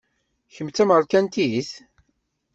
Kemm d tamerkantit?